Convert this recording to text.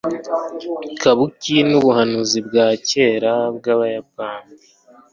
kabuki nubuhanzi bwa kera bwabayapani